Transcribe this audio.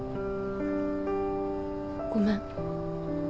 ごめん。